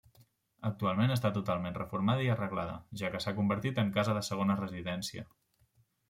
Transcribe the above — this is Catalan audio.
Actualment està totalment reformada i arreglada, ja que s'ha convertit en casa de segona residència.